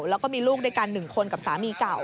แล้วก็มีลูกด้วยกัน๑คนกับสามีเก่า